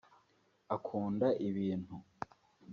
Akunda ibintu